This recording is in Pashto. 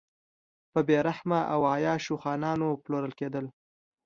په بې رحمه او عیاشو خانانو پلورل کېدل.